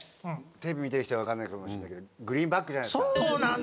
テレビ見てる人は分かんないかもしんないけどグリーンバックじゃないですか。